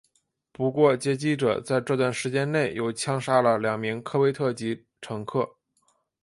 不过劫机者在这段时间内又枪杀了两名科威特籍乘客。